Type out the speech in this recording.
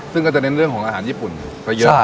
ซึ่งก็จะเน้นเรื่องของอาหารญี่ปุ่นก็เยอะ